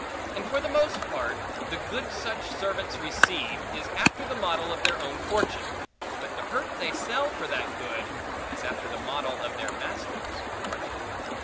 And for the most part, the good such servants receive, is after the model of their own fortune; but the hurt they sell for that good, is after the model of their master's fortune.